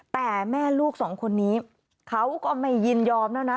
แต่แม่ลูกสองคนนี้เขาก็ไม่ยินยอมแล้วนะ